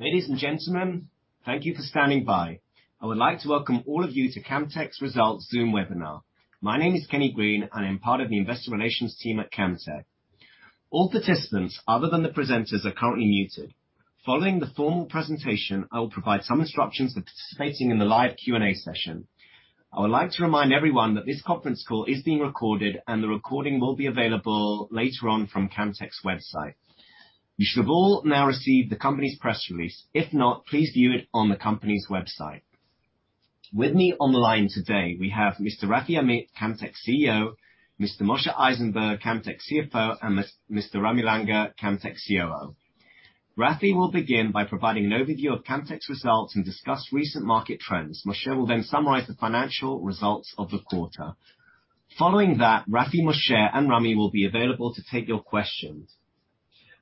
Ladies and gentlemen, thank you for standing by. I would like to welcome all of you to Camtek's Results Zoom Webinar. My name is Kenny Green, and I'm part of the investor relations team at Camtek. All participants, other than the presenters, are currently muted. Following the formal presentation, I will provide some instructions for participating in the live Q&A session. I would like to remind everyone that this conference call is being recorded, and the recording will be available later on from Camtek's website. You should have all now received the company's press release. If not, please view it on the company's website. With me on the line today, we have Mr. Rafi Amit, Camtek's CEO, Mr. Moshe Eisenberg, Camtek's CFO, and Mr. Ramy Langer, Camtek's COO. Rafi will begin by providing an overview of Camtek's results and discuss recent market trends. Moshe will then summarize the financial results of the quarter. Following that, Rafi, Moshe, and Ramy will be available to take your questions.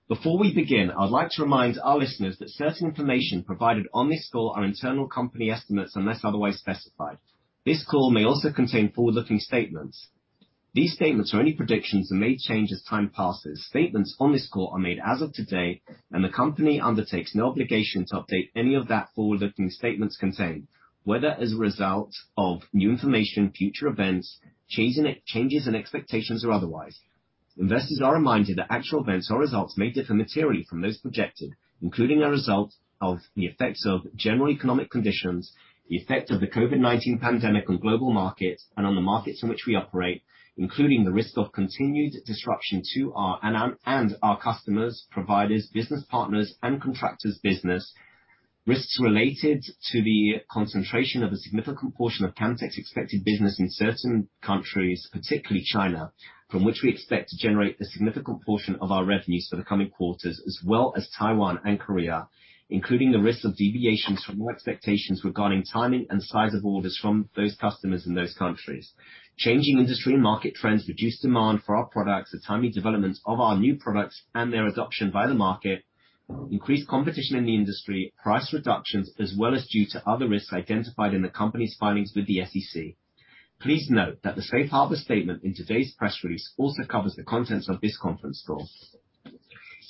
Before we begin, I would like to remind our listeners that certain information provided on this call are internal company estimates unless otherwise specified. This call may also contain forward-looking statements. These statements are only predictions and may change as time passes. Statements on this call are made as of today, and the company undertakes no obligation to update any of that forward-looking statements contained, whether as a result of new information, future events, changes in expectations or otherwise. Investors are reminded that actual events or results may differ materially from those projected, including the result of the effects of general economic conditions, the effect of the COVID-19 pandemic on global markets and on the markets in which we operate, including the risk of continued disruption to our and our customers, providers, business partners, and contractors' business. Risks related to the concentration of a significant portion of Camtek's expected business in certain countries, particularly China, from which we expect to generate a significant portion of our revenues for the coming quarters, as well as Taiwan and Korea, including the risks of deviations from our expectations regarding timing and size of orders from those customers in those countries. Changing industry and market trends, reduced demand for our products, the timely developments of our new products and their adoption by the market, increased competition in the industry, price reductions, as well as due to other risks identified in the company's filings with the SEC. Please note that the Safe Harbor statement in today's press release also covers the contents of this conference call.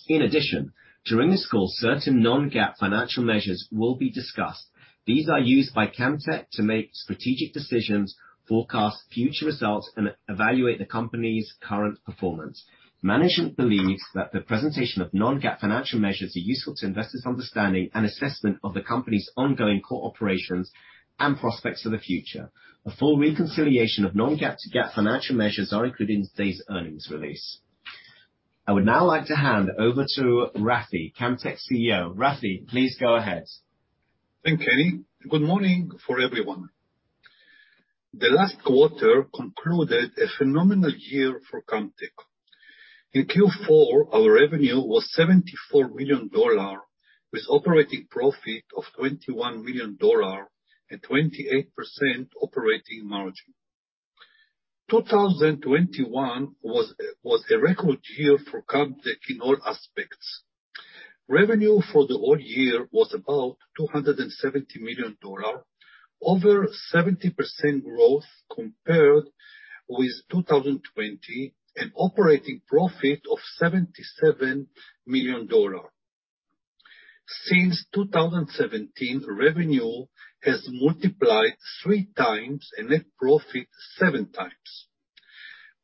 In addition, during this call, certain non-GAAP financial measures will be discussed. These are used by Camtek to make strategic decisions, forecast future results, and evaluate the company's current performance. Management believes that the presentation of non-GAAP financial measures are useful to investors' understanding and assessment of the company's ongoing core operations and prospects for the future. A full reconciliation of non-GAAP to GAAP financial measures are included in today's earnings release. I would now like to hand over to Rafi, Camtek's CEO. Rafi, please go ahead. Thank you Kenny. Good morning for everyone. The last quarter concluded a phenomenal year for Camtek. In Q4, our revenue was $74 million, with operating profit of $21 million and 28% operating margin. 2021 was a record year for Camtek in all aspects. Revenue for the whole year was about $270 million, over 70% growth compared with 2020, and operating profit of $77 million. Since 2017, revenue has multiplied 3x and net profit 7x.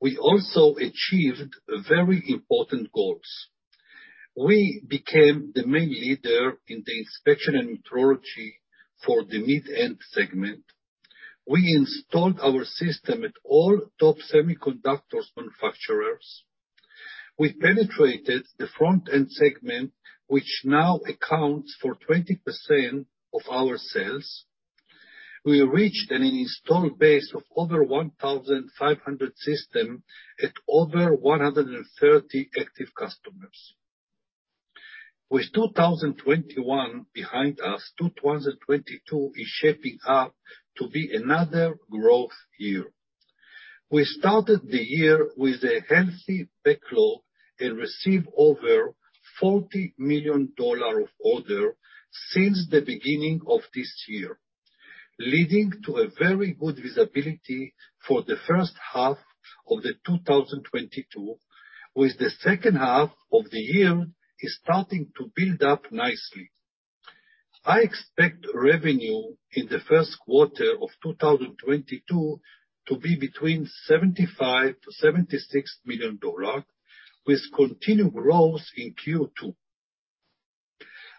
We also achieved very important goals. We became the main leader in the Inspection and Metrology for the mid-end segment. We installed our system at all top semiconductors manufacturers. We penetrated the front-end segment, which now accounts for 20% of our sales. We reached an installed base of over 1,500 systems at over 130 active customers. With 2021 behind us, 2022 is shaping up to be another growth year. We started the year with a healthy backlog and received over $40 million of orders since the beginning of this year, leading to a very good visibility for the H1 of 2022, with the H2 of the year is starting to build up nicely. I expect revenue in the first quarter of 2022 to be between $75 million-$76 million, with continued growth in Q2.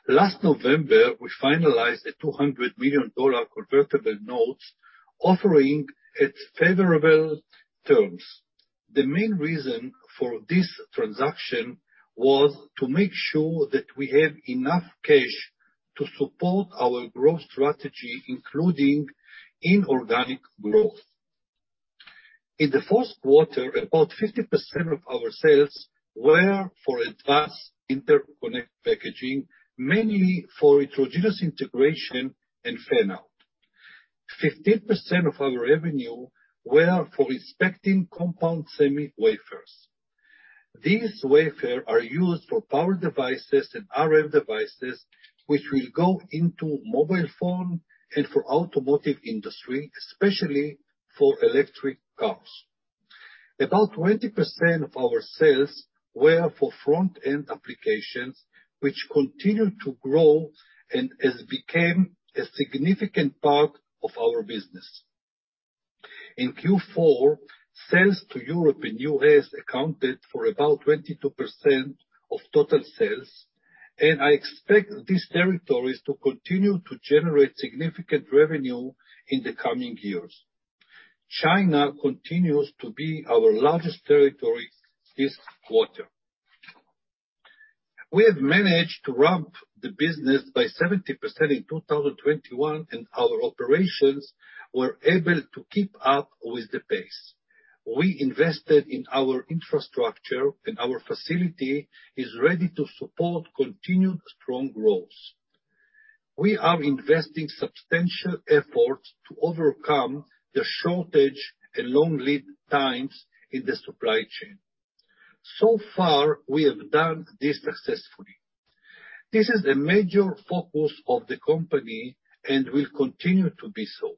Last November, we finalized a $200 million convertible notes offering at favorable terms. The main reason for this transaction was to make sure that we have enough cash to support our growth strategy, including inorganic growth. In the fourth quarter, about 50% of our sales were for Advanced Interconnect Packaging, mainly for Heterogeneous Integration and fan-out. 15% of our revenue were for inspecting compound semiconductor wafers. These wafers are used for power devices and RF devices which will go into mobile phone and for automotive industry, especially for electric cars. About 20% of our sales were for front-end applications, which continued to grow and has become a significant part of our business. In Q4, sales to Europe and U.S. accounted for about 22% of total sales, and I expect these territories to continue to generate significant revenue in the coming years. China continues to be our largest territory this quarter. We have managed to ramp the business by 70% in 2021, and our operations were able to keep up with the pace. We invested in our infrastructure, and our facility is ready to support continued strong growth. We are investing substantial efforts to overcome the shortage and long lead times in the supply chain. So far, we have done this successfully. This is a major focus of the company and will continue to be so.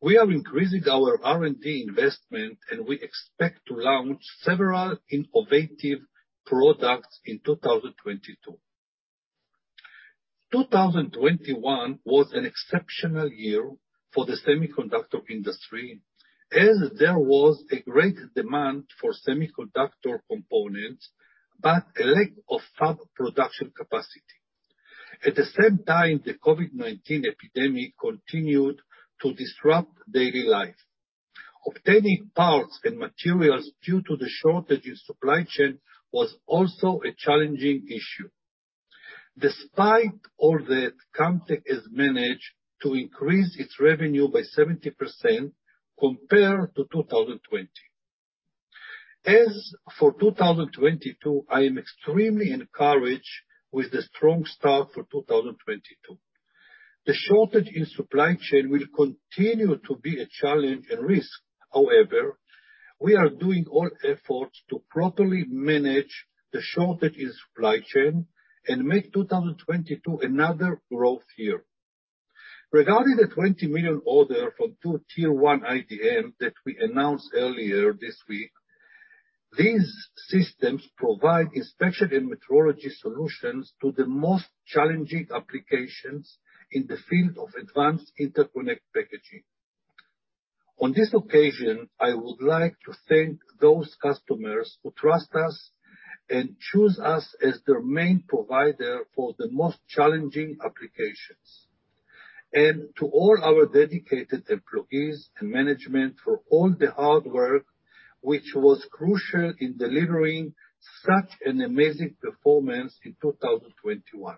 We are increasing our R&D investment, and we expect to launch several innovative products in 2022. 2021 was an exceptional year for the Semiconductor industry as there was a great demand for semiconductor components, but a lack of fab production capacity. At the same time, the COVID-19 epidemic continued to disrupt daily life. Obtaining parts and materials due to the shortage in supply chain was also a challenging issue. Despite all that, Camtek has managed to increase its revenue by 70% compared to 2020. As for 2022, I am extremely encouraged with the strong start for 2022. The shortage in supply chain will continue to be a challenge and risk. However, we are doing all efforts to properly manage the shortage in supply chain and make 2022 another growth year. Regarding the $20 million order from two tier-1 IDM that we announced earlier this week, these systems provide Inspection and Metrology solutions to the most challenging applications in the field of Advanced Interconnect Packaging. On this occasion, I would like to thank those customers who trust us and choose us as their main provider for the most challenging applications. To all our dedicated employees and management for all the hard work, which was crucial in delivering such an amazing performance in 2021.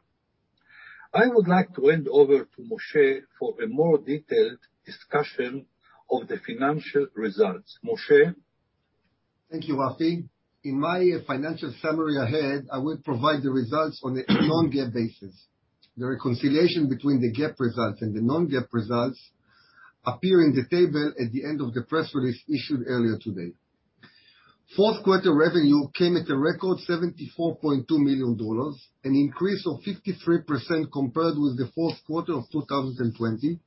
I would like to hand over to Moshe for a more detailed discussion of the financial results. Moshe? Thank you, Rafi. In my financial summary ahead, I will provide the results on a non-GAAP basis. The reconciliation between the GAAP results and the non-GAAP results appear in the table at the end of the press release issued earlier today. Fourth quarter revenue came at a record $74.2 million, an increase of 53% compared with the fourth quarter of 2020,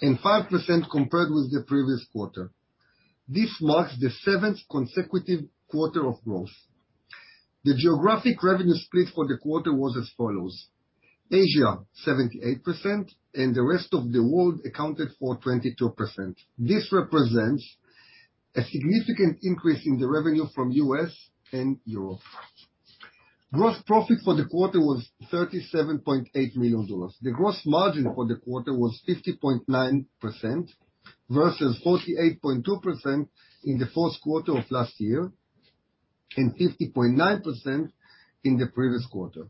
and 5% compared with the previous quarter. This marks the seventh consecutive quarter of growth. The geographic revenue split for the quarter was as follows: Asia, 78%, and the rest of the world accounted for 22%. This represents a significant increase in the revenue from U.S. and Europe. Gross profit for the quarter was $37.8 million. The gross margin for the quarter was 50.9% versus 48.2% in the fourth quarter of last year, and 50.9% in the previous quarter.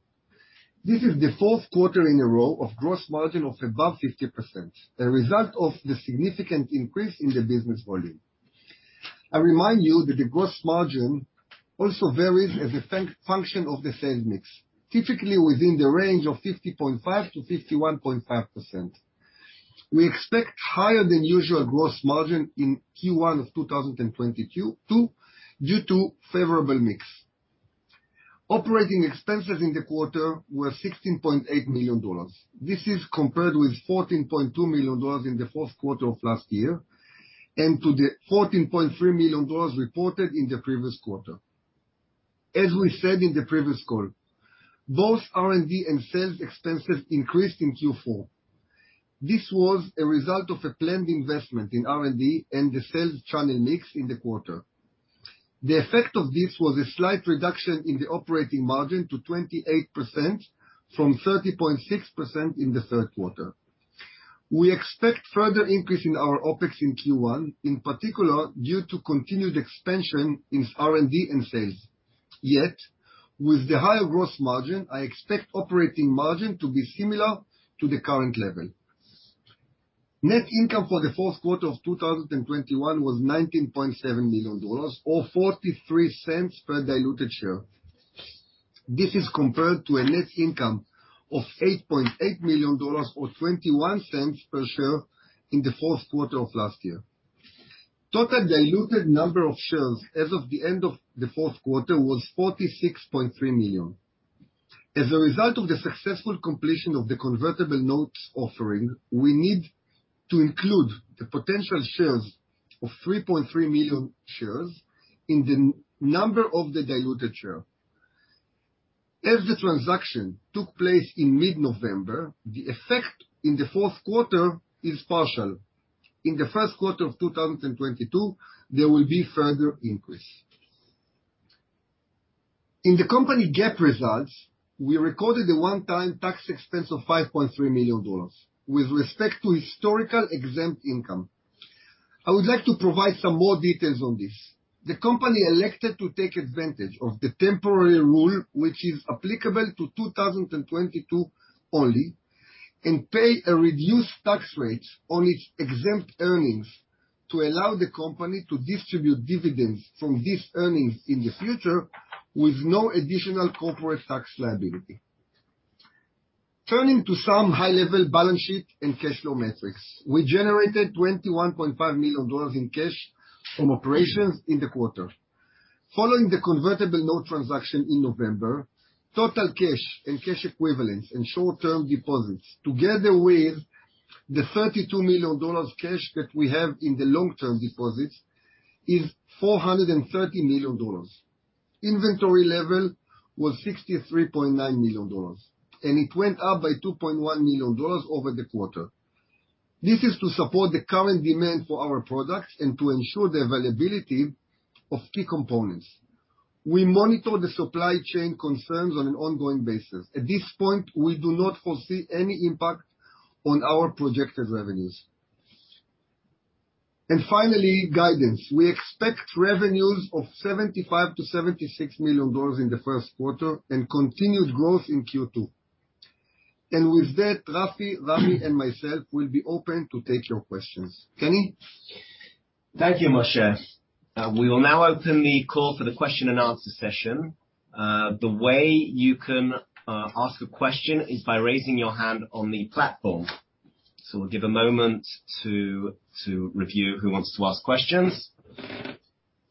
This is the fourth quarter in a row of gross margin of above 50%, a result of the significant increase in the business volume. I remind you that the gross margin also varies as a function of the sales mix, typically within the range of 50.5%-51.5%. We expect higher than usual gross margin in Q1 of 2022 due to favorable mix. Operating expenses in the quarter were $16.8 million. This is compared with $14.2 million in the fourth quarter of last year, and to the $14.3 million reported in the previous quarter. As we said in the previous call, both R&D and sales expenses increased in Q4. This was a result of a planned investment in R&D and the sales channel mix in the quarter. The effect of this was a slight reduction in the operating margin to 28% from 30.6% in the third quarter. We expect further increase in our OpEx in Q1, in particular, due to continued expansion in R&D and sales. Yet, with the higher gross margin, I expect operating margin to be similar to the current level. Net income for the fourth quarter of 2021 was $19.7 million or $0.43 per diluted share. This is compared to a net income of $8.8 million or $0.21 per share in the fourth quarter of last year. Total diluted number of shares as of the end of the fourth quarter was 46.3 million. As a result of the successful completion of the convertible notes offering, we need to include the potential shares of 3.3 million shares in the number of the diluted shares. As the transaction took place in mid-November, the effect in the fourth quarter is partial. In the first quarter of 2022, there will be further increase. In the company GAAP results, we recorded a one-time tax expense of $5.3 million with respect to historical exempt income. I would like to provide some more details on this. The company elected to take advantage of the temporary rule, which is applicable to 2022 only, and pay a reduced tax rate on its exempt earnings to allow the company to distribute dividends from these earnings in the future with no additional corporate tax liability. Turning to some high-level balance sheet and cash flow metrics. We generated $21.5 million in cash from operations in the quarter. Following the convertible note transaction in November, total cash and cash equivalents and short-term deposits, together with the $32 million cash that we have in the long-term deposits, is $430 million. Inventory level was $63.9 million, and it went up by $2.1 million over the quarter. This is to support the current demand for our products and to ensure the availability of key components. We monitor the supply chain concerns on an ongoing basis. At this point, we do not foresee any impact on our projected revenues. Finally, guidance. We expect revenues of $75 million-$76 million in the first quarter and continued growth in Q2. With that, Rafi, Ramy, and myself will be open to take your questions. Kenny? Thank you, Moshe. We will now open the call for the question-and-answer session. The way you can ask a question is by raising your hand on the platform. We'll give a moment to review who wants to ask questions.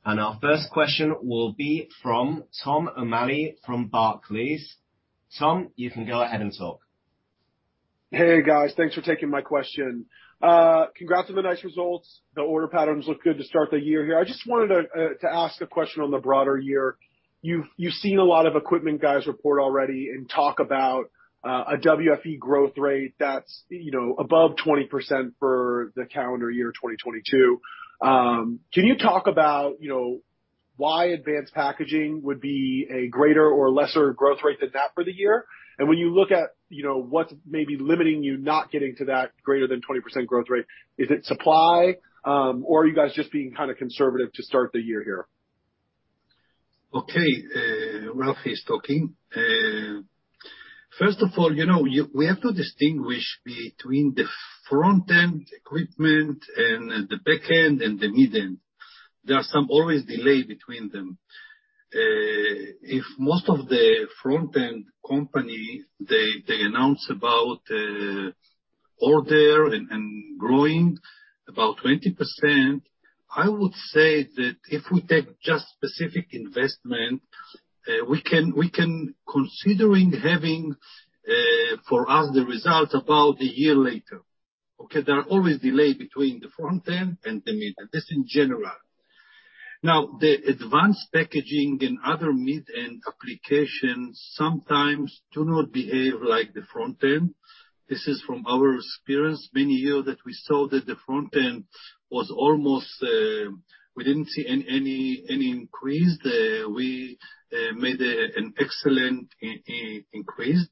Our first question will be from Tom O'Malley from Barclays. Tom, you can go ahead and talk. Hey, guys. Thanks for taking my question. Congrats on the nice results. The order patterns look good to start the year here. I just wanted to ask a question on the broader year. You've seen a lot of equipment guys report already and talk about a WFE growth rate that's, you know, above 20% for the calendar year 2022. Can you talk about, you know, why Advanced Packaging would be a greater or lesser growth rate than that for the year? And when you look at, you know, what's maybe limiting you not getting to that greater than 20% growth rate, is it supply or are you guys just being kind of conservative to start the year here? First of all, you know, we have to distinguish between the front-end equipment and the back end and the mid-end. There is always a delay between them. If most of the front-end companies, they announce about order and growing about 20%, I would say that if we take just specific investment, we can consider having for us the result about a year later. Okay? There is always a delay between the front-end and the mid. This in general. Now, the Advanced Packaging and other mid-end applications sometimes do not behave like the front-end. This is from our experience. Many years that we saw that the fron-end was almost, we didn't see any increase. We made an excellent increase.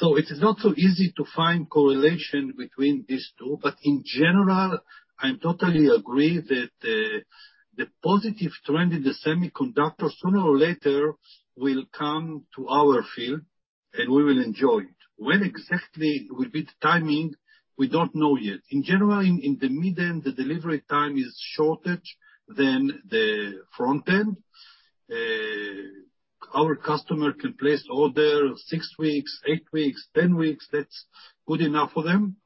It is not so easy to find correlation between these two, but in general, I totally agree that the positive trend in the semiconductor sooner or later will come to our field, and we will enjoy it. When exactly will be the timing, we don't know yet. In general, in the mid-end, the delivery time is shorter than the front-end. Our customer can place order 6 weeks, 8 weeks, 10 weeks. That's good enough for them.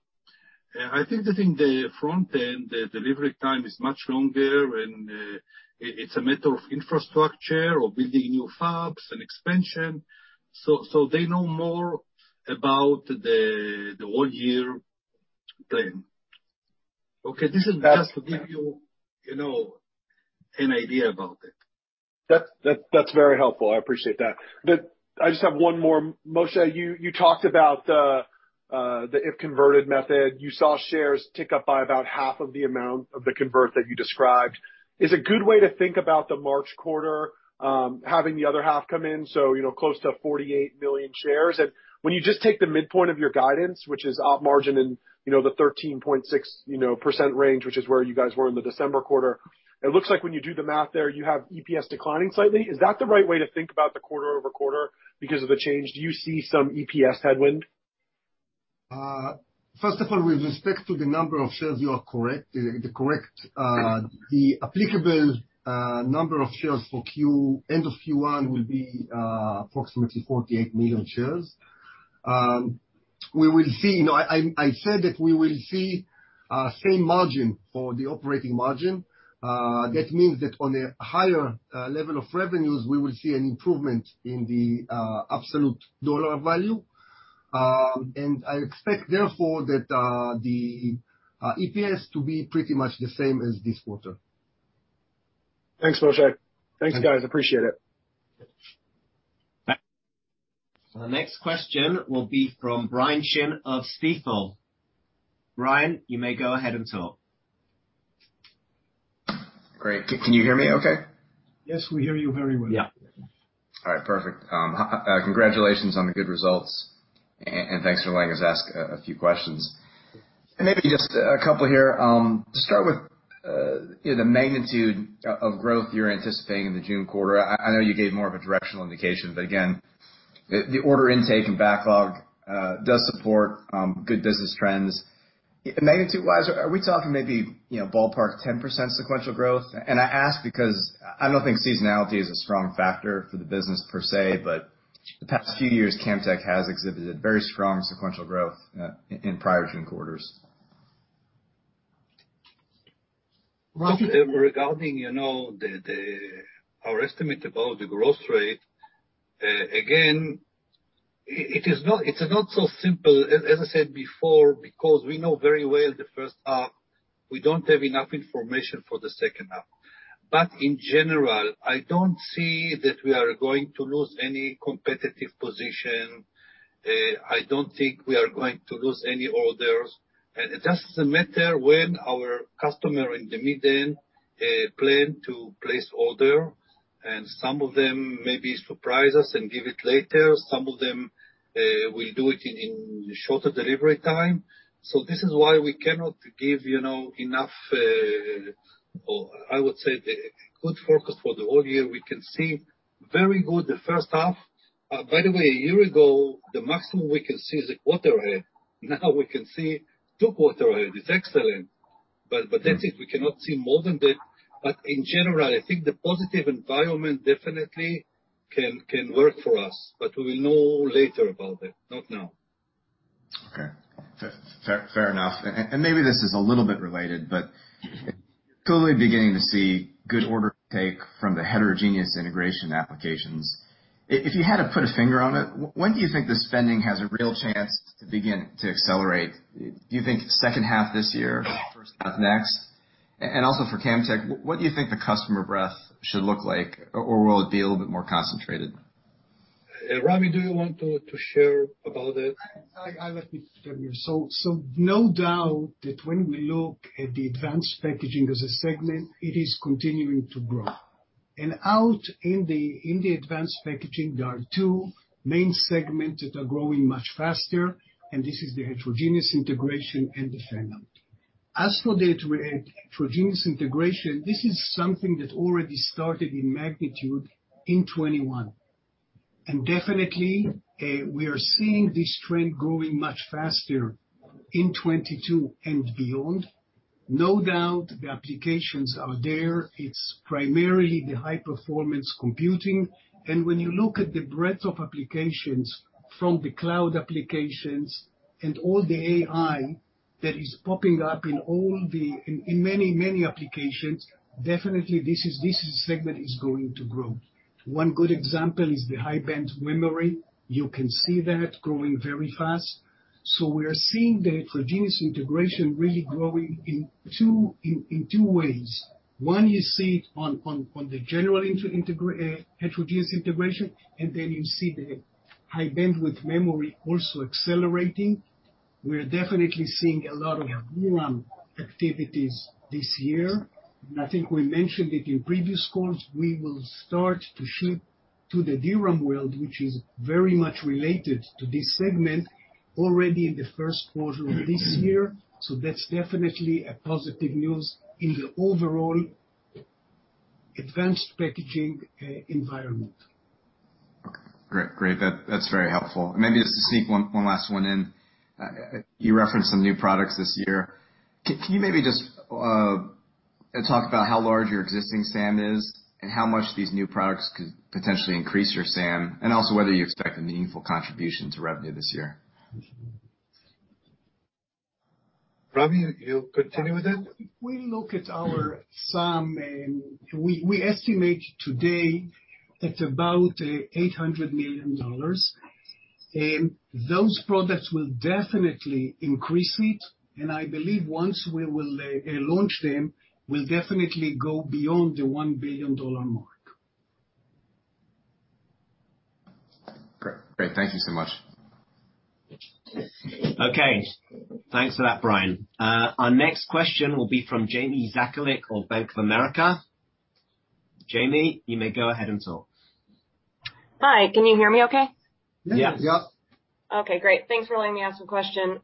I think that in the front-end, the delivery time is much longer and it's a matter of infrastructure or building new fabs and expansion. They know more about the whole year plan. Okay, this is just to give you know, an idea about it. That's very helpful. I appreciate that. I just have one more. Moshe, you talked about the if converted method. You saw shares tick up by about half of the amount of the convert that you described. Is a good way to think about the March quarter having the other half come in, so you know, close to 48 million shares. When you just take the midpoint of your guidance, which is op margin in you know, the 13.6% range, which is where you guys were in the December quarter, it looks like when you do the math there, you have EPS declining slightly. Is that the right way to think about the QoQ because of the change? Do you see some EPS headwind? First of all, with respect to the number of shares, you are correct. The applicable number of shares for Q, end of Q1 will be approximately 48 million shares. We will see. No, I said that we will see same margin for the operating margin. That means that on a higher level of revenues, we will see an improvement in the absolute dollar value. I expect, therefore, that the EPS to be pretty much the same as this quarter. Thanks, Moshe. Okay. Thanks, guys. Appreciate it. The next question will be from Brian Chin of Stifel. Brian, you may go ahead and talk. Great. Can you hear me okay? Yes, we hear you very well. Yeah. All right. Perfect. Congratulations on the good results and thanks for letting us ask a few questions. Maybe just a couple here, to start with, you know, the magnitude of growth you're anticipating in the June quarter. I know you gave more of a directional indication, but again, the order intake and backlog does support good business trends. Magnitude-wise, are we talking maybe, you know, ballpark 10% sequential growth? I ask because I don't think seasonality is a strong factor for the business per se, but the past few years, Camtek has exhibited very strong sequential growth in prior June quarters. Rafi? Regarding, you know, our estimate about the growth rate, again, it's not so simple, as I said before, because we know very well the H1, we don't have enough information for the H2. In general, I don't see that we are going to lose any competitive position. I don't think we are going to lose any orders. It's just a matter when our customer in the mid-end plan to place order, and some of them maybe surprise us and give it later. Some of them will do it in shorter delivery time. This is why we cannot give, you know, enough, or I would say the good forecast for the whole year. We can see very well the H1. By the way, a year ago, the maximum we can see is a quarter ahead. Now we can see two quarters ahead. It's excellent. That's it. We cannot see more than that. In general, I think the positive environment definitely can work for us. We will know later about it, not now. Okay. Fair enough. Maybe this is a little bit related, but totally beginning to see good order intake from the Heterogeneous Integration applications. If you had to put a finger on it, when do you think the spending has a real chance to begin to accelerate? Do you think H2 this year, H1 next? Also for Camtek, what do you think the customer breadth should look like? Or will it be a little bit more concentrated? Ramy, do you want to share about it? Let me start here. No doubt that when we look at the Advanced Packaging as a segment, it is continuing to grow. Out in the Advanced Packaging, there are two main segments that are growing much faster, and this is the Heterogeneous Integration and the fan-out. As for the Heterogeneous Integration, this is something that already started in magnitude in 2021. Definitely, we are seeing this trend growing much faster in 2022 and beyond. No doubt the applications are there. It's primarily the high-performance computing. When you look at the breadth of applications from the cloud applications and all the AI that is popping up in many applications, definitely this segment is going to grow. One good example is the High Bandwidth Memory. You can see that growing very fast. We are seeing the Heterogeneous Integration really growing in two ways. One, you see it on the general Heterogeneous Integration, and then you see the High Bandwidth Memory also accelerating. We are definitely seeing a lot of DRAM activities this year. I think we mentioned it in previous calls, we will start to ship to the DRAM world, which is very much related to this segment already in the first quarter of this year. That's definitely a positive news in the overall Advanced Packaging environment. Okay, great. That's very helpful. Maybe just to sneak one last one in. You referenced some new products this year. Can you maybe just talk about how large your existing SAM is and how much these new products could potentially increase your SAM, and also whether you expect a meaningful contribution to revenue this year? Ramy, you continue with it. We look at our SAM, and we estimate today it's about $800 million. Those products will definitely increase it, and I believe once we will launch them, we'll definitely go beyond the $1 billion mark. Great. Thank you so much. Okay. Thanks for that, Brian. Our next question will be from Jamie Zakalik of Bank of America. Jamie, you may go ahead and talk. Hi. Can you hear me okay? Yes. Yep. Okay, great. Thanks for letting me ask a question.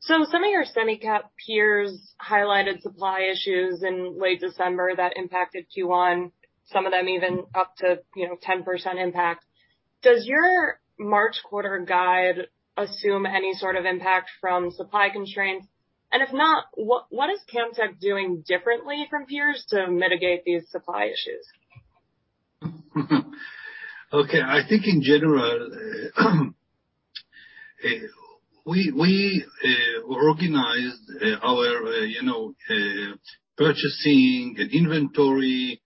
So some of your semi cap peers highlighted supply issues in late December that impacted Q1, some of them even up to 10% impact. Does your March quarter guide assume any sort of impact from supply constraints? If not, what is Camtek doing differently from peers to mitigate these supply issues? Okay. I think in general, we organized our, you know, purchasing and inventory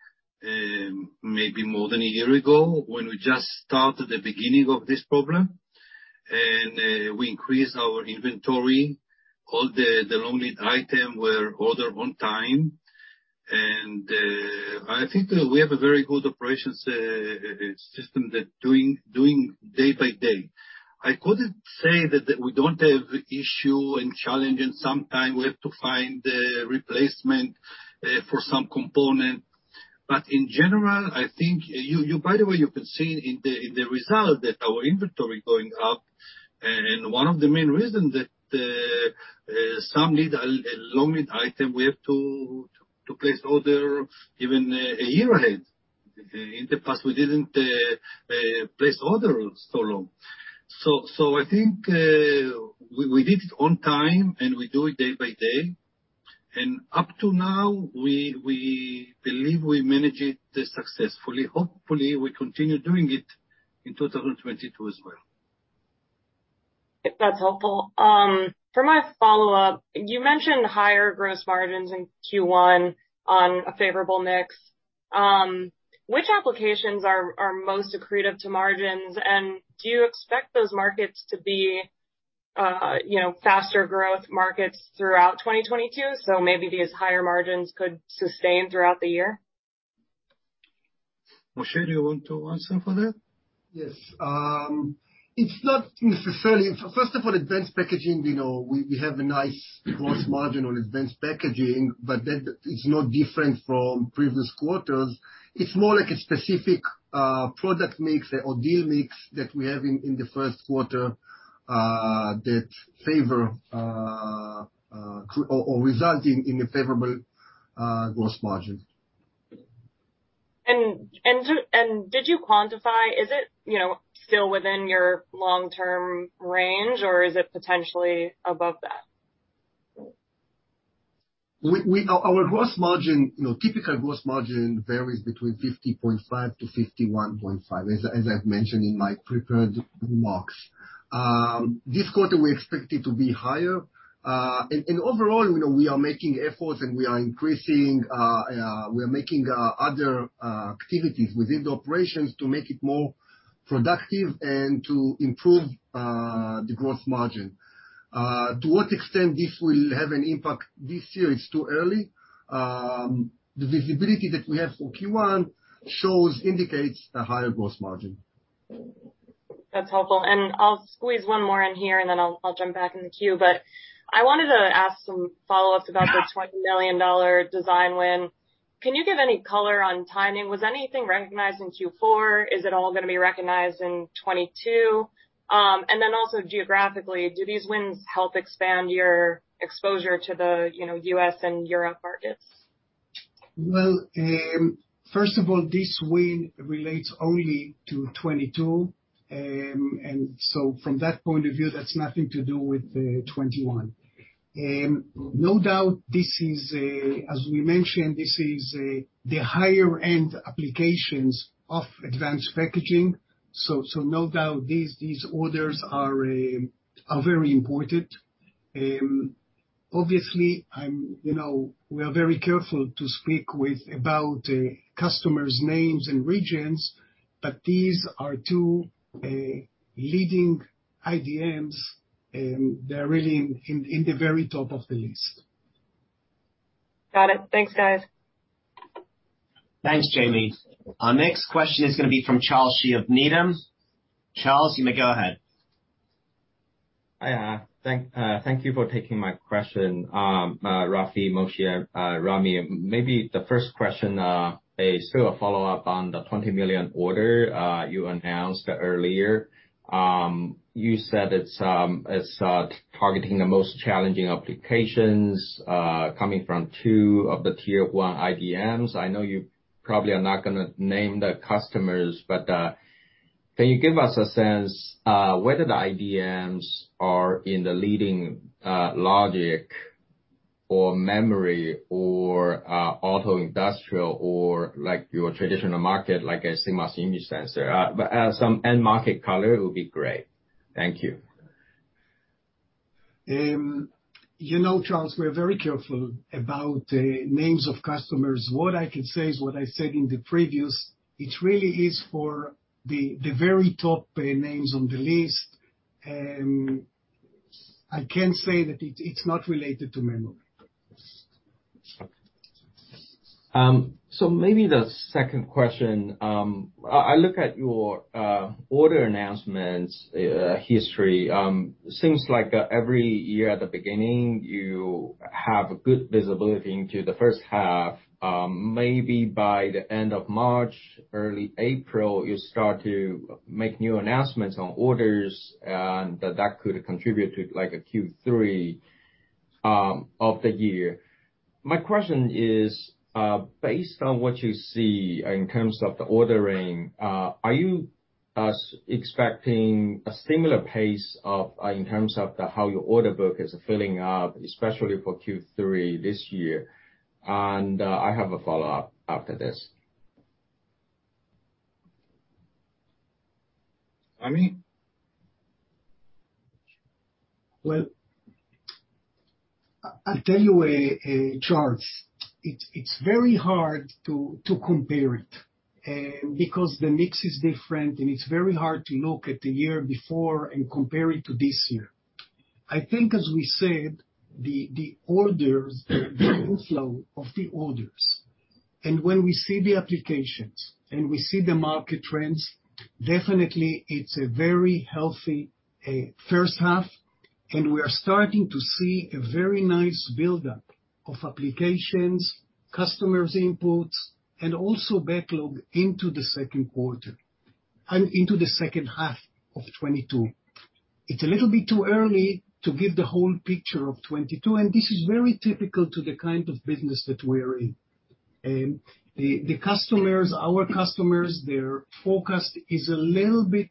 maybe more than a year ago when we just started the beginning of this problem. We increased our inventory. All the long lead item were ordered on time. I think that we have a very good operations system that doing day by day. I couldn't say that we don't have issue and challenge, and sometime we have to find a replacement for some component. In general, I think you by the way you can see in the result that our inventory going up, and one of the main reasons that some need a long lead item, we have to place order even a year ahead. In the past, we didn't place order so long. So I think we did it on time, and we do it day by day. Up to now, we believe we manage it successfully. Hopefully, we continue doing it in 2022 as well. That's helpful. For my follow-up, you mentioned higher gross margins in Q1 on a favorable mix. Which applications are most accretive to margins, and do you expect those markets to be faster growth markets throughout 2022, so maybe these higher margins could sustain throughout the year? Moshe, do you want to answer for that? Yes. It's not necessarily first of all, Advanced Packaging, you know, we have a nice gross margin on Advanced Packaging, but that is no different from previous quarters. It's more like a specific product mix or deal mix that we have in the first quarter resulting in a favorable gross margin. Did you quantify, is it, you know, still within your long-term range, or is it potentially above that? Our gross margin, you know, typical gross margin varies between 50.5%-51.5%, as I've mentioned in my prepared remarks. This quarter we expect it to be higher. Overall, you know, we are making efforts, and we are increasing, we are making other activities within the operations to make it more productive and to improve the gross margin. To what extent this will have an impact this year, it's too early. The visibility that we have for Q1 indicates a higher gross margin. That's helpful. I'll squeeze one more in here, and then I'll jump back in the queue. I wanted to ask some follow-ups about the $20 million design win. Can you give any color on timing? Was anything recognized in Q4? Is it all gonna be recognized in 2022? Also geographically, do these wins help expand your exposure to the, you know, U.S. and Europe markets? First of all, this win relates only to 2022. From that point-of-view, that's nothing to do with 2021. No doubt, as we mentioned, this is the higher-end applications of Advanced Packaging, so no doubt these orders are very important. Obviously, you know, we are very careful to speak about customers' names and regions, but these are two leading IDMs, they're really in the very top of the list. Got it. Thanks, guys. Thanks, Jamie. Our next question is gonna be from Charles Shi of Needham. Charles, you may go ahead. Hi. Thank you for taking my question. Rafi, Moshe, Ramy, maybe the first question is sort of a follow-up on the $20 million order you announced earlier. You said it's targeting the most challenging applications coming from two of the tier-1 IDMs. I know you probably are not gonna name the customers, but can you give us a sense whether the IDMs are in the leading logic or memory or auto industrial or like your traditional market, like a CMOS image sensor? Some end market color will be great. Thank you. You know, Charles, we're very careful about names of customers. What I can say is what I said in the previous. It really is for the very top names on the list. I can say that it's not related to memory. Maybe the second question, I look at your order announcements history. Seems like every year at the beginning you have good visibility into the H1. Maybe by the end of March, early April, you start to make new announcements on orders, and that could contribute to like a Q3 of the year. My question is, based on what you see in terms of the ordering, are you expecting a similar pace of, in terms of how your order book is filling up, especially for Q3 this year. I have a follow-up after this. I mean, well, I'll tell you about a chart. It's very hard to compare it because the mix is different, and it's very hard to look at the year before and compare it to this year. I think, as we said, the orders, the flow of the orders, and when we see the applications, and we see the market trends, definitely it's a very healthy H1, and we are starting to see a very nice build-up of applications, customer inputs, and also backlog into the second quarter and into the H2 of 2022. It's a little bit too early to give the whole picture of 2022, and this is very typical to the kind of business that we're in. The customers, our customers, their forecast is a little bit,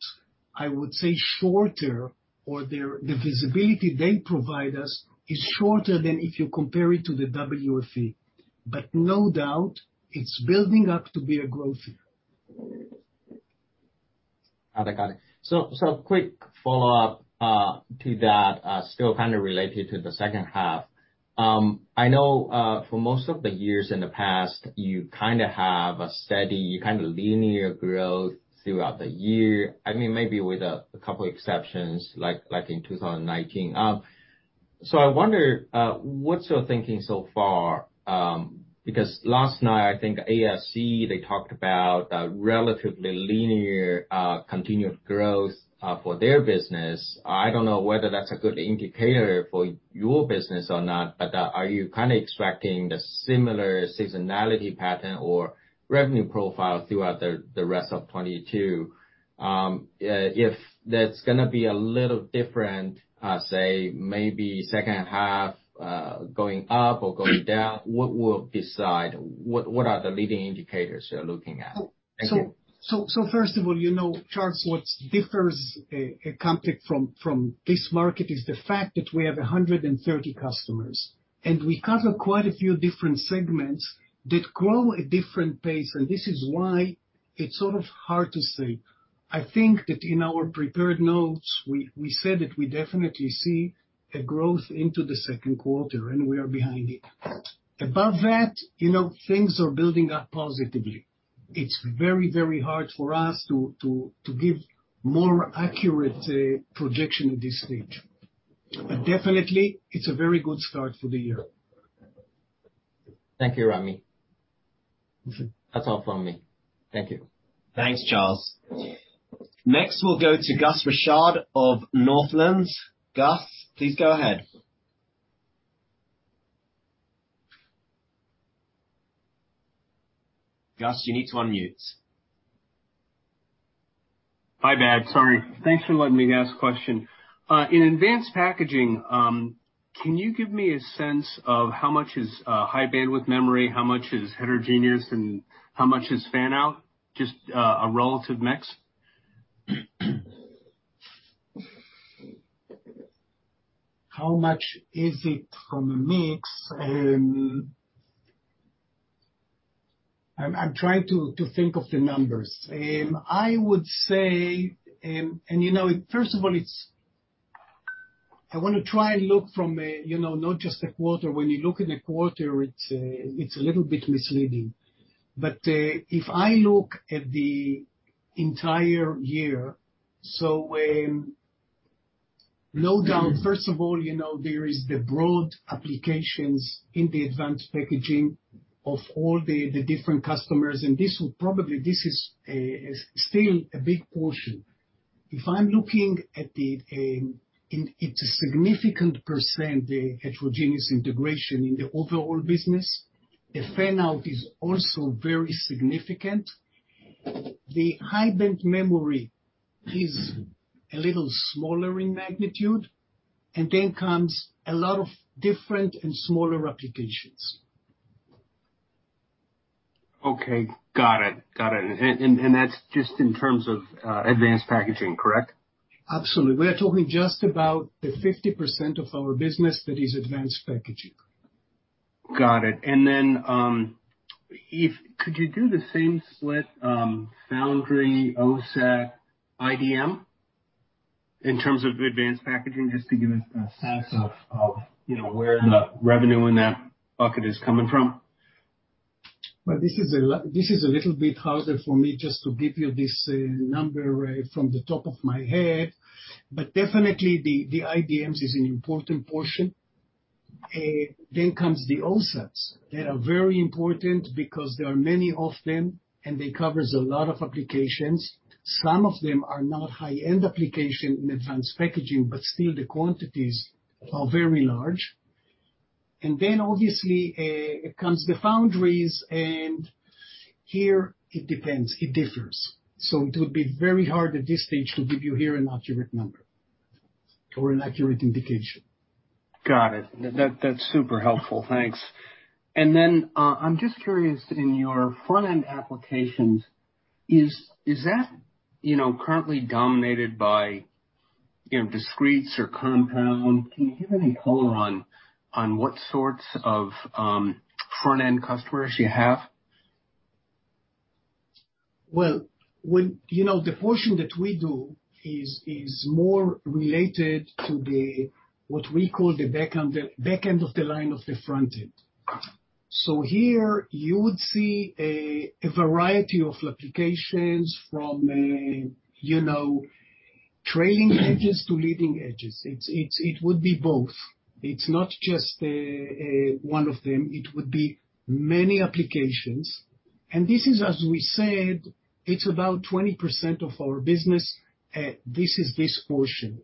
I would say, shorter, or the visibility they provide us is shorter than if you compare it to the WFE. No doubt, it's building up to be a growth year. Okay, got it. Quick follow-up to that, still kind of related to the H2. I know, for most of the years in the past, you kind of have a steady linear growth throughout the year. I mean, maybe with a couple exceptions, like in 2019. I wonder, what's your thinking so far? Because last night, I think ASE, they talked about a relatively linear continued growth for their business. I don't know whether that's a good indicator for your business or not, but are you kind of expecting a similar seasonality pattern or revenue profile throughout the rest of 2022? If that's gonna be a little different, say maybe H2 going up or going down, what will decide? What are the leading indicators you're looking at? Thank you. First of all, you know, Charles, what differs a company from this market is the fact that we have 130 customers. We cover quite a few different segments that grow at different pace, and this is why it's sort of hard to say. I think that in our prepared notes, we said that we definitely see a growth into the second quarter, and we are behind it. Above that, you know, things are building up positively. It's very, very hard for us to give more accurate projection at this stage. Definitely, it's a very good start for the year. Thank you, Ramy. That's all from me. Thank you. Thanks, Charles. Next, we'll go to Gus Richard of Northland. Gus, please go ahead. Gus, you need to unmute. My bad. Sorry. Thanks for letting me ask a question. In Advanced Packaging, can you give me a sense of how much is High Bandwidth Memory, how much is heterogeneous, and how much is fan-out? Just a relative mix. How much is it from a mix? I'm trying to think of the numbers. I would say, you know, first of all, it's I want to try and look from a, you know, not just a quarter. When you look at a quarter, it's a little bit misleading. If I look at the entire year, no doubt, first of all, you know, there is the broad applications in the Advanced Packaging of all the different customers, and this is still a big portion. If I'm looking at it's a significant percent, the Heterogeneous Integration in the overall business. The fan-out is also very significant. The High Bandwidth Memory is a little smaller in magnitude, and then comes a lot of different and smaller applications. Okay. Got it. That's just in terms of Advanced Packaging, correct? Absolutely. We are talking just about the 50% of our business that is Advanced Packaging. Got it. If you could do the same split, foundry, OSAT, IDM in terms of Advanced Packaging, just to give us a sense of, you know, where the revenue in that bucket is coming from? Well, this is a little bit harder for me just to give you this number from the top of my head. Definitely the IDMs is an important portion. Comes the OSATs. They are very important because there are many of them, and they covers a lot of applications. Some of them are not high-end application in Advanced Packaging, but still the quantities are very large. Obviously comes the foundries, and here it depends. It differs. It would be very hard at this stage to give you here an accurate number. Or an accurate indication. Got it. That's super helpful. Thanks. I'm just curious, in your front-end applications, is that you know, currently dominated by, you know, discretes or compound? Can you give any color on what sorts of front-end customers you have? You know, the portion that we do is more related to what we call the back-end of the line of the front-end. So here, you would see a variety of applications from, you know, trailing edges to leading edges. It would be both. It's not just one of them, it would be many applications. This is, as we said, about 20% of our business. This is this portion.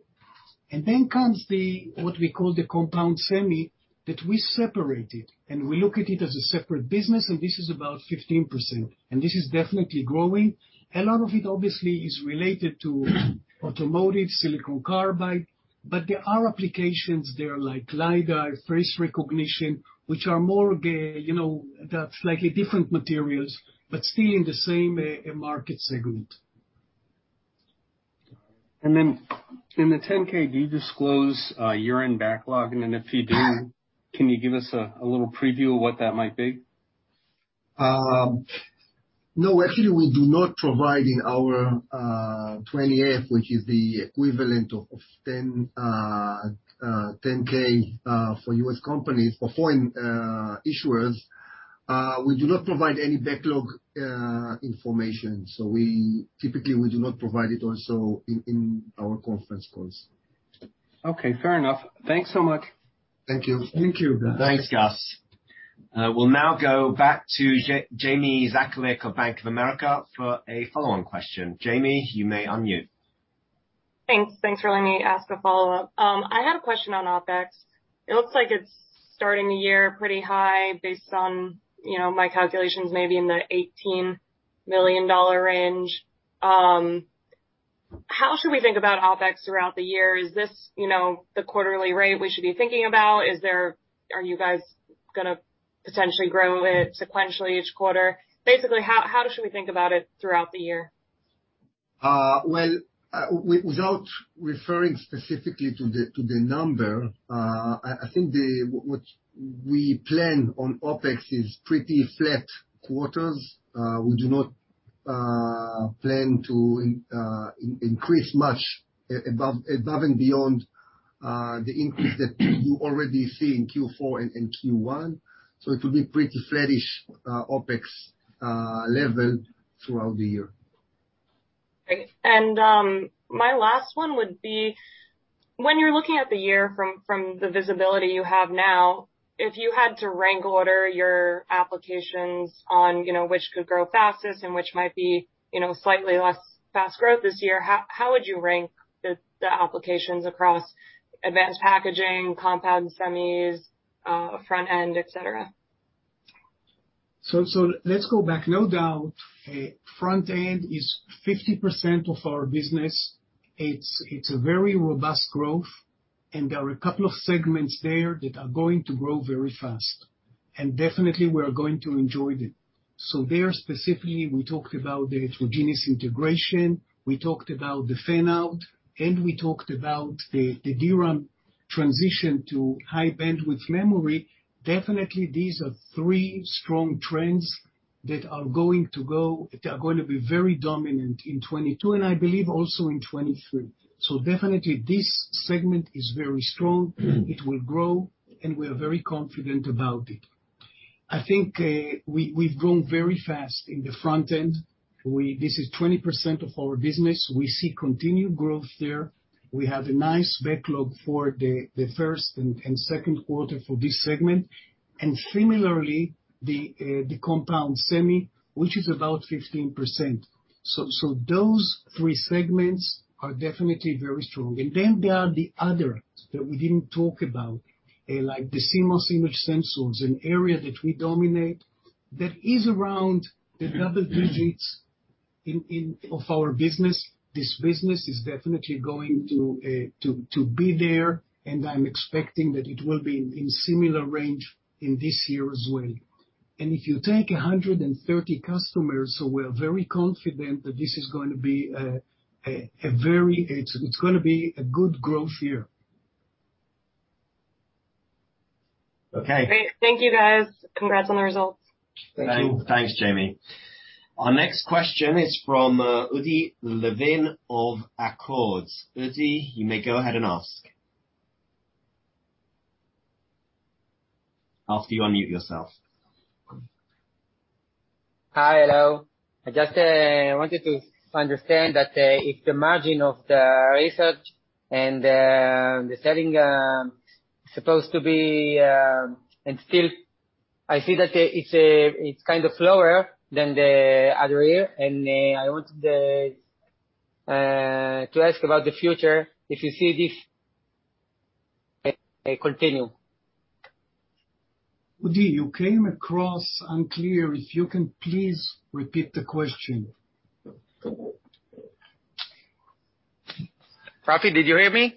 Then comes what we call the compound semi that we separated, and we look at it as a separate business, and this is about 15%, and this is definitely growing. A lot of it, obviously, is related to automotive, silicon carbide, but there are applications there like LIDAR, face recognition, which are more, you know, that's slightly different materials, but still in the same market segment. In the 10-K, do you disclose year-end backlog? If you do, can you give us a little preview of what that might be? No. Actually, we do not provide in our 20-F, which is the equivalent of 10-K for U.S. companies for foreign issuers. We do not provide any backlog information, so we typically do not provide it also in our conference calls. Okay, fair enough. Thanks so much. Thank you. Thank you. Thanks, Gus. We'll now go back to Jamie Zakalik of Bank of America for a follow-on question. Jamie, you may unmute. Thanks. Thanks for letting me ask a follow-up. I had a question on OpEx. It looks like it's starting the year pretty high based on, you know, my calculations maybe in the $18 million range. How should we think about OpEx throughout the year? Is this, you know, the quarterly rate we should be thinking about? Is there? Are you guys gonna potentially grow it sequentially each quarter? Basically, how should we think about it throughout the year? Without referring specifically to the number, what we plan on OpEx is pretty flat quarters. We do not plan to increase much above and beyond the increase that you already see in Q4 and in Q1. It will be pretty flattish OpEx level throughout the year. Great. My last one would be: When you're looking at the year from the visibility you have now, if you had to rank order your applications on, you know, which could grow fastest and which might be, you know, slightly less fast growth this year, how would you rank the applications across Advanced Packaging, compound semis, front-end, et cetera? Let's go back. No doubt, front-end is 50% of our business. It's a very robust growth, and there are a couple of segments there that are going to grow very fast. Definitely we are going to enjoy them. There specifically, we talked about the Heterogeneous Integration, we talked about the fan-out, and we talked about the DRAM transition to High Bandwidth Memory. Definitely, these are three strong trends that are going to go. They are gonna be very dominant in 2022 and I believe also in 2023. Definitely this segment is very strong, it will grow, and we are very confident about it. I think, we've grown very fast in the front-end. This is 20% of our business. We see continued growth there. We have a nice backlog for the first and second quarter for this segment. Similarly, the compound semi, which is about 15%. Those three segments are definitely very strong. Then there are the other that we didn't talk about, like the CMOS image sensors, an area that we dominate, that is around the double-digits in of our business. This business is definitely going to be there, and I'm expecting that it will be in similar range in this year as well. If you take 130 customers, we're very confident that this is going to be a good growth year. Okay. Great. Thank you, guys. Congrats on the results. Thank you. Thanks, Jamie. Our next question is from Udi Levin of Achord. Udi, you may go ahead and ask. After you unmute yourself. Hello. I just wanted to understand that if the margin of the research and the selling supposed to be. Still, I see that it's kind of lower than the other year, and I wanted to ask about the future, if you see this continue? Udi, you came across unclear. If you can please repeat the question? Rafi, did you hear me?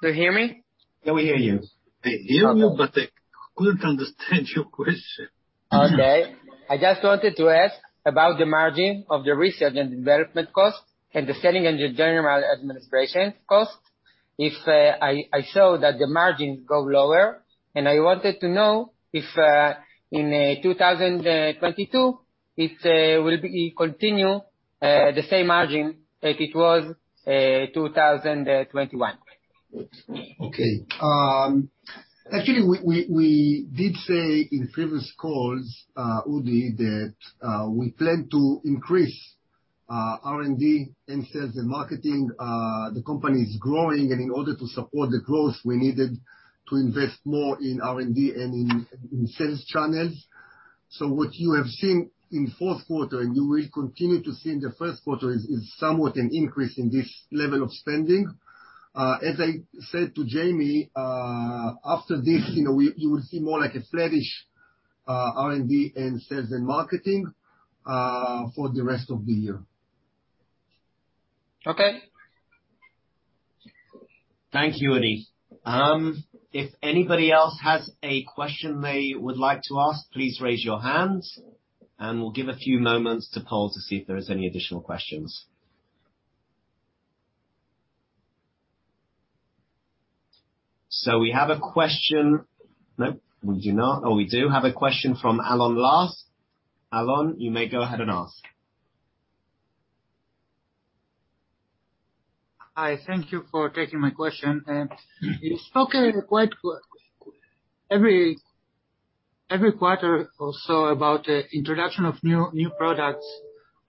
Do you hear me? Yeah, we hear you. I hear you, but I couldn't understand your question. Okay. I just wanted to ask about the margin of the Research and Development cost and the selling and the general administration cost. If I show that the margin go lower, and I wanted to know if in 2022 it will be continue the same margin that it was 2021? Okay. Actually, we did say in previous calls, Udi, that we plan to increase R&D and sales and marketing. The company is growing, and in order to support the growth, we needed to invest more in R&D and in sales channels. What you have seen in fourth quarter, and you will continue to see in the first quarter, is somewhat an increase in this level of spending. As I said to Jamie, after this, you know, you will see more like a flattish R&D and sales and marketing for the rest of the year. Okay. Thank you, Udi. If anybody else has a question they would like to ask, please raise your hand, and we'll give a few moments to poll to see if there is any additional questions. We have a question. Nope, we do not. Oh, we do have a question from Alon Last. Alon, you may go ahead and ask. Hi. Thank you for taking my question. You spoke quite every quarter or so about the introduction of new products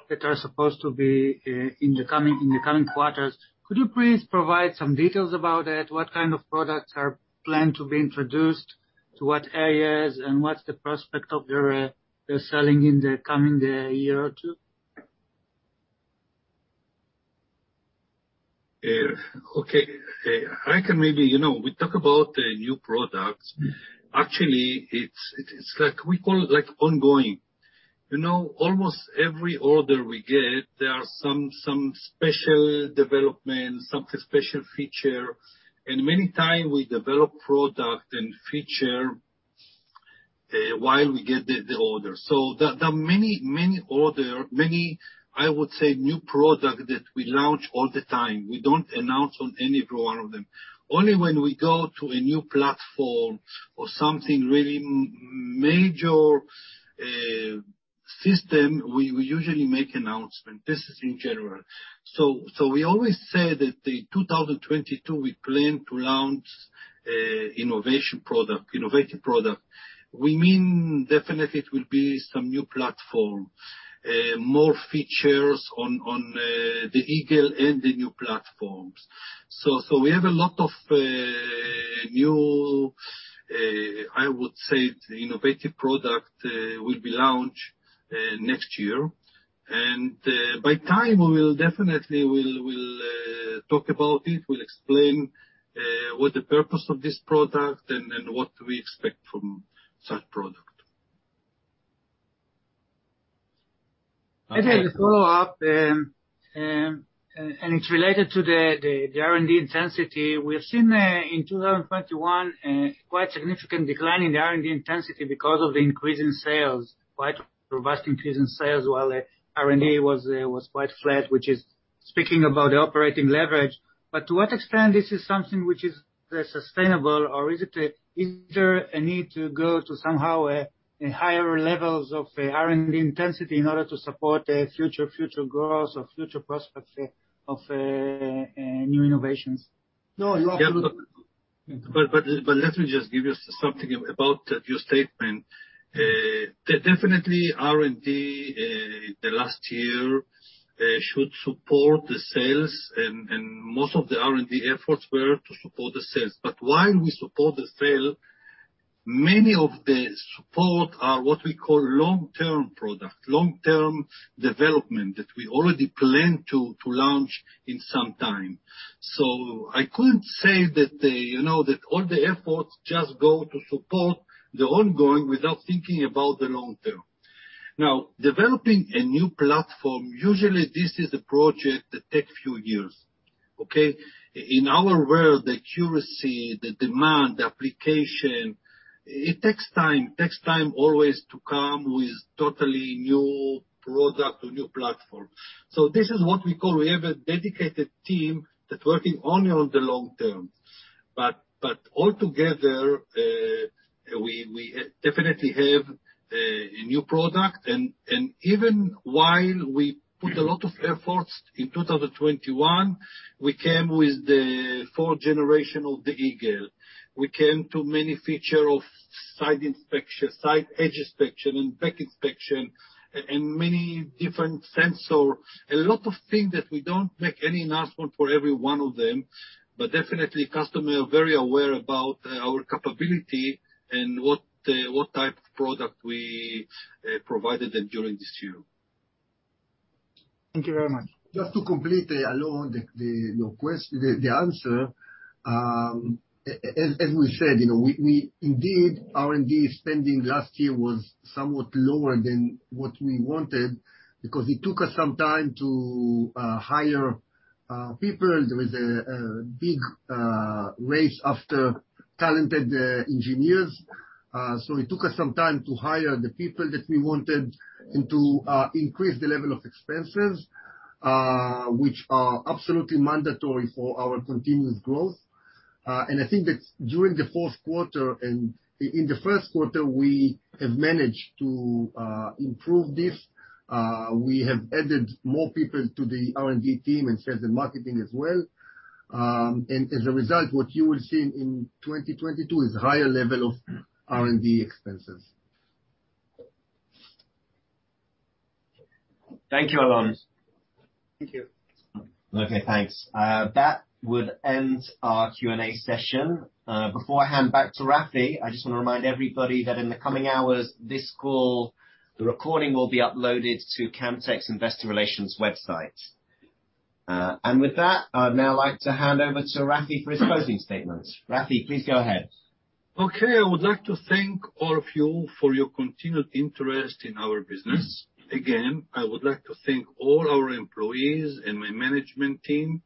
that are supposed to be in the coming quarters. Could you please provide some details about that? What kind of products are planned to be introduced? To what areas, and what's the prospect of your selling in the coming year or two? You know, we talk about the new products. Actually, it's like we call it, like, ongoing. You know, almost every order we get, there are some special development, some special feature, and many times we develop product and feature while we get the order. There are many order, many, I would say, new product that we launch all the time. We don't announce every one of them. Only when we go to a new platform or something really major system, we usually make announcement. This is in general. We always say that in 2022, we plan to launch innovative product. We mean definitely it will be some new platform, more features on the Eagle and the new platforms. We have a lot of new, I would say innovative product will be launched next year. By then, we will definitely talk about it. We'll explain what the purpose of this product and what we expect from such product. Okay. To follow up, and it's related to the R&D intensity. We have seen in 2021 quite significant decline in the R&D intensity because of the increase in sales, quite robust increase in sales while R&D was quite flat, which is speaking about the operating leverage. But to what extent this is something which is sustainable or is it, is there a need to go to somehow a higher levels of R&D intensity in order to support future growth or future prospects of new innovations? Let me just give you something about your statement. Definitely R&D, the last year, should support the sales and most of the R&D efforts were to support the sales. While we support the sale, many of the support are what we call long-term product, long-term development that we already planned to launch in some time. I couldn't say that, you know, that all the efforts just go to support the ongoing without thinking about the long term. Now, developing a new platform, usually this is a project that takes few years. Okay. In our world, the accuracy, the demand, the application, it takes time. It takes time always to come with totally new product or new platform. This is what we call we have a dedicated team that working only on the long term. All together, we definitely have a new product. Even while we put a lot of efforts in 2021, we came with the fourth generation of the Eagle. We came to many features of side inspection, side edge inspection, and back inspection and many different sensors. A lot of things that we don't make any announcement for every one of them, but definitely customers are very aware about our capability and what type of product we provided them during this year. Thank you very much. Just to complete, Alon, the answer, as we said, you know, we indeed R&D spending last year was somewhat lower than what we wanted because it took us some time to hire people. There was a big race after talented engineers. So it took us some time to hire the people that we wanted and to increase the level of expenses, which are absolutely mandatory for our continuous growth. I think that during the fourth quarter and in the first quarter, we have managed to improve this. We have added more people to the R&D team and sales and marketing as well. As a result, what you will see in 2022 is higher level of R&D expenses. Thank you, Alon. Thank you. Okay, thanks. That would end our Q&A session. Before I hand back to Rafi, I just wanna remind everybody that in the coming hours, this call, the recording will be uploaded to Camtek's Investor Relations website. With that, I'd now like to hand over to Rafi for his closing statements. Rafi, please go ahead. Okay. I would like to thank all of you for your continued interest in our business. Again, I would like to thank all our employees and my management team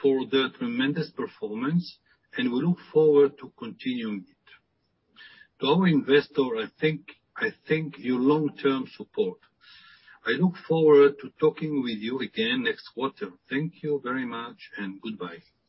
for their tremendous performance, and we look forward to continuing it. To our investor, I thank your long-term support. I look forward to talking with you again next quarter. Thank you very much, and goodbye.